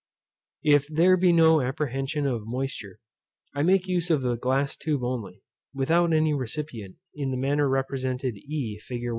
If there be no apprehension of moisture, I make use of the glass tube only, without any recipient, in the manner represented e fig.